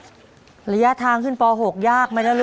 น้องป๋องเลือกเรื่องระยะทางให้พี่เอื้อหนุนขึ้นมาต่อชีวิตเป็นคนต่อไป